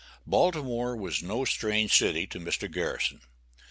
Baltimore was no strange city to Mr. Garrison.